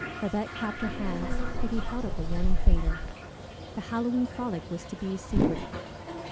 Babette clapped her hands; but he held up a warning finger. The Halloween frolic was to be a secret.